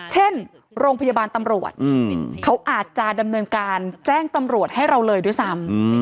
เช่นโรงพยาบาลตำรวจเขาอาจจะดำเนินการแจ้งตำรวจให้เราเลยด้วยซ้ำ